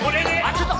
ちょっと。